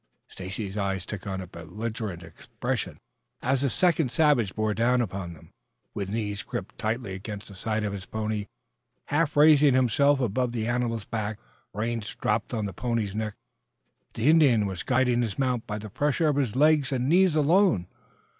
Stacy's eyes took on a belligerent expression as the second savage bore down upon them, with knees gripped tightly against the side of his pony, half raising himself above the animal's back, reins dropped on the pony's neck. The Indian was guiding his mount by the pressure of legs and knees alone.